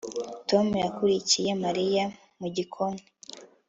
Tom yakurikiye Mariya mu gikoni